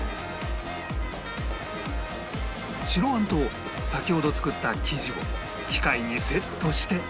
白あんと先ほど作った生地を機械にセットして